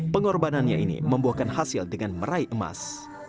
pengorbanannya ini membuahkan hasil dengan meraih emas